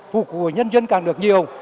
phục vụ nhân dân càng được nhiều